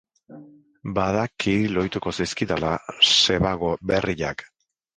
Badaki lohituko zaizkidala Sebago berriak.